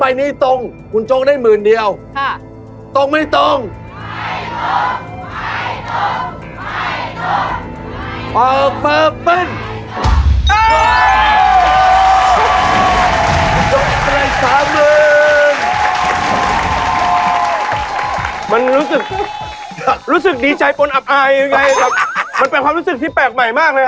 มันเป็นความรู้สึกที่แปลกใหม่มากเลยอะ